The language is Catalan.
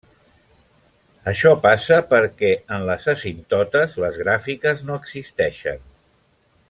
Això passa perquè en les asímptotes les gràfiques no existeixen.